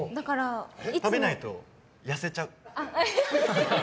食べないと痩せちゃう。